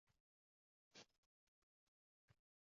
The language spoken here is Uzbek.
— Biznesda sezish, oldindan his qilish qanchalik muhim?